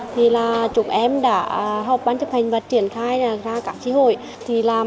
thì là chúng em đã học bán chấp hành và triển khai ra các chế hội